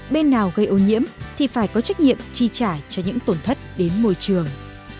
bên nào gây ô nhiễm thì phải có trách nhiệm chi trả cho những tổn thất đến môi trường